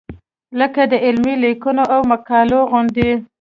لکه د علمي لیکنو او مقالو غوندې.